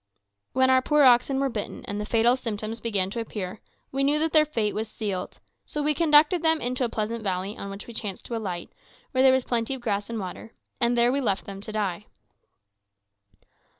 When our poor oxen were bitten and the fatal symptoms began to appear, we knew that their fate was sealed; so we conducted them into a pleasant valley on which we chanced to alight, where there was plenty of grass and water, and there we left them to die.